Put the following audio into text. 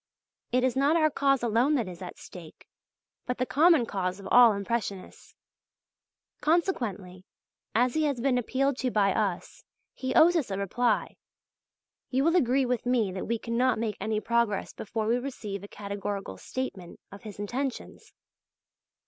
It is not our cause alone that is at stake, but the common cause of all Impressionists. Consequently, as he has been appealed to by us, he owes us a reply. You will agree with me that we cannot make any progress before we receive a categorical statement of his intentions.